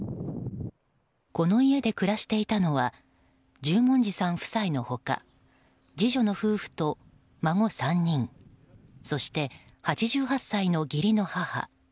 この家で暮らしていたのは十文字さん夫妻の他次女の夫婦と孫３人そして、８８歳の義理の母。